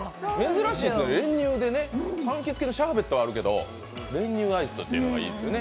珍しいですね、練乳でね、かんきつ系のシャーベットはあるけど、練乳のアイスというのがいいですね。